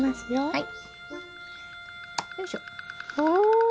はい。